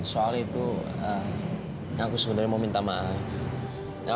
soal itu aku sebenarnya mau minta maaf